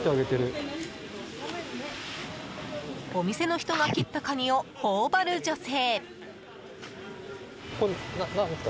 お店の人が切ったカニを頬張る女性。